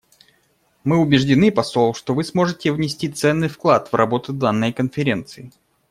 Мы убеждены, посол, что Вы сможете внести ценный вклад в работу данной Конференции.